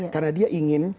karena dia ingin